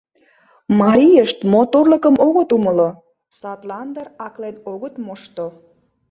Марийышт моторлыкым огыт умыло, садлан дыр аклен огыт мошто.